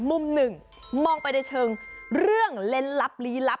มุมหนึ่งมองไปในเชิงเรื่องเล่นลับลี้ลับ